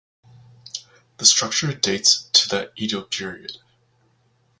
The structure dates to the Edo period.